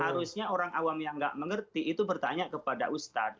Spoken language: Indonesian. harusnya orang awam yang nggak mengerti itu bertanya kepada ustadz